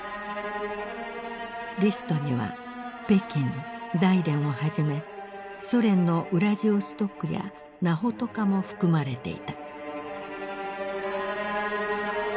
リストには北京大連をはじめソ連のウラジオストクやナホトカも含まれていた。